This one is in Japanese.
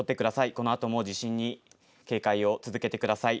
このあとも地震に警戒を続けてください。